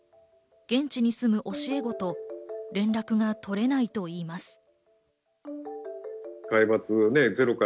現地に住む教え子と連絡が取れないといいます。